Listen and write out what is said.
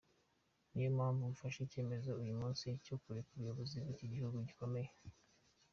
Niyo mpamvu mfashe icyemezo uyu munsi cyo kureka ubuyobozi bw’iki gihugu gikomeye.”